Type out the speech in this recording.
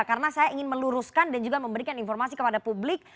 karena saya ingin meluruskan dan juga memberikan informasi kepada publik